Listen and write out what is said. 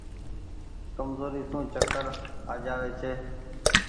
ڪمزوري سون چڪر آ جآوي ڇي۔